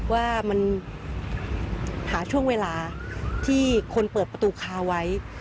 ว่ามันหาช่วงเวลาที่คนเปิดประตูคาไว้